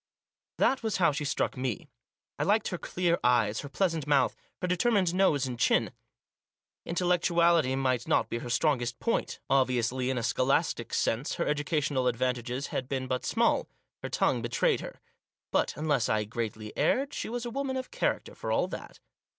That was how she struck me. I liked her clear eyes, her pleasant mouth, her determined nose and chin. Intellectuality might not be her strongest point ; obviously, in a scholastic sense, her educational advantages had been but small. Her tongue betrayed her. But, unless I greatly erred, she was a woman of character for all that.